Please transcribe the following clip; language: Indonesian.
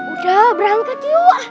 udah berangkat yuk